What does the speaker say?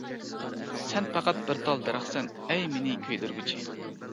سەن پەقەت بىر تال دەرەخسەن، ئەي مېنى كۆيدۈرگۈچى!